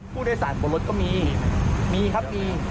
ผู้โดยสารบนรถก็มีมีครับมี